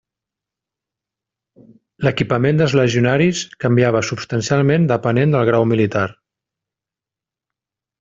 L'equipament dels legionaris canviava substancialment depenent del grau militar.